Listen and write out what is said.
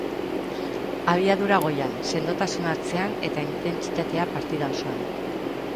Abiadura goian, sendotasuna atzean, eta intentsitatea partida osoan.